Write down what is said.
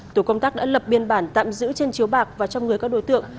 tổ công tác đã lập biên bản tạm giữ trên chiếu bạc và cho người có đối tượng